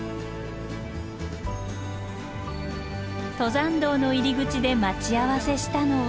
登山道の入り口で待ち合わせしたのは。